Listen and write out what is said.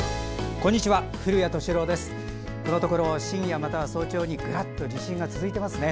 このところ深夜または早朝にぐらっと地震が続いていますね。